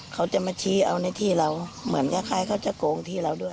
เขาจะมาชี้เอาในที่เราเหมือนคล้ายเขาจะโกงที่เราด้วย